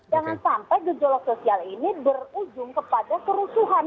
jangan sampai gejolak sosial ini berujung kepada kerusuhan